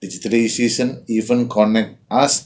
digitalisasi bahkan menghubungkan kami